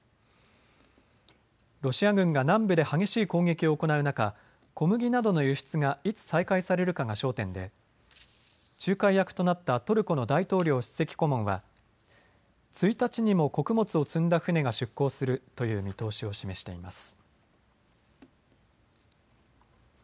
ロシア軍が南部で激しい攻撃を行う中、小麦などの輸出がいつ再開されるかが焦点で仲介役となったトルコの大統領首席顧問は、１日にも穀物を積んだ船が出港するという見通しを示しています。